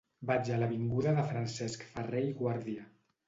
Vaig a l'avinguda de Francesc Ferrer i Guàrdia.